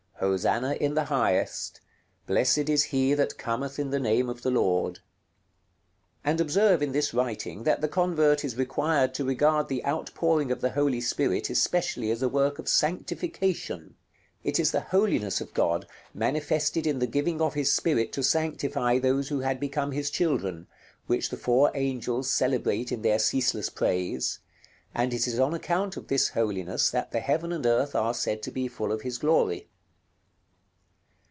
HOSANNA IN THE HIGHEST: BLESSED IS HE THAT COMETH IN THE NAME OF THE LORD." And observe in this writing that the convert is required to regard the outpouring of the Holy Spirit especially as a work of sanctification. It is the holiness of God manifested in the giving of His Spirit to sanctify those who had become His children, which the four angels celebrate in their ceaseless praise; and it is on account of this holiness that the heaven and earth are said to be full of His glory.